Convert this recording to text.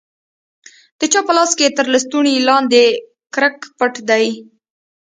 د چا په لاس کښې تر لستوڼي لاندې کرک پټ دى.